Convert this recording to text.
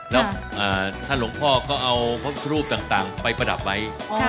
แล้วท่านหลวงพ่อก็เอาพระรูปต่างไปประดับไว้